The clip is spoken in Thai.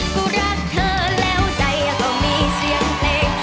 กูรักเธอแล้วใดก็มีเสียงเพลง